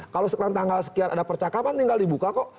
kalau sekarang tanggal sekian ada percakapan tinggal dibuka kok